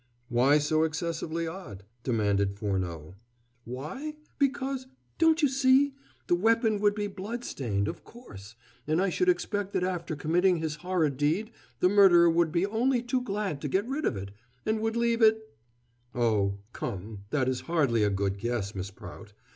"Why so excessively odd?" demanded Furneaux. "Why? Because don't you see? the weapon would be blood stained of course; and I should expect that after committing his horrid deed, the murderer would be only too glad to get rid of it, and would leave it " "Oh, come, that is hardly a good guess, Miss Prout.